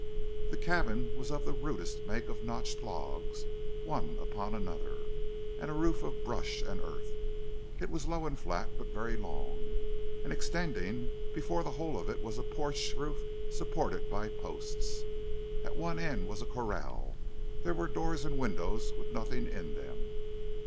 This cabin was of the rudest make of notched logs one upon another, and roof of brush and earth. It was low and flat, but very long, and extending before the whole of it was a porch roof supported by posts. At one end was a corral. There were doors and windows with nothing in them.